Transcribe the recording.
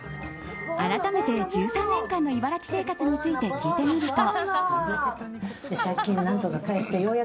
改めて、１３年間の茨城生活について聞いてみると。